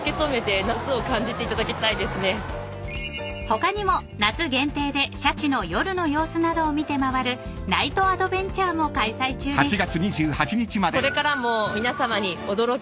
［他にも夏限定でシャチの夜の様子などを見て回るナイトアドベンチャーも開催中です］